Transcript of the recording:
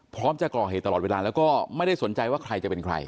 จะก่อเหตุตลอดเวลาแล้วก็ไม่ได้สนใจว่าใครจะเป็นใคร